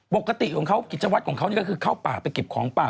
ปกติของเขากิจวัตรของเขานี่ก็คือเข้าป่าไปเก็บของป่า